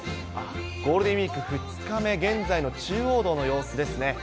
ゴールデンウィーク２日目、現在の中央道の様子ですね。